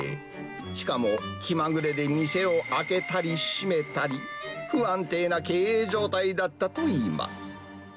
しかも気まぐれで店を開けたり閉めたり、不安定な経営状態だったといいます。